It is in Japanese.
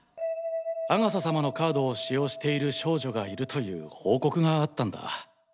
阿笠様のカードを使用している少女がいるという報告があったんだ。